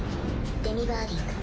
デミバーディング。